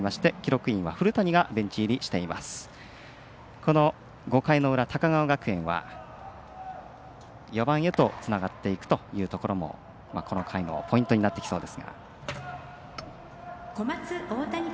この５回の裏、高川学園は４番へとつながっていくというところもこの回のポイントになってきそうです。